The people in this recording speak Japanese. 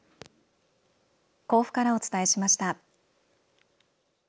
甲府からお伝えしました。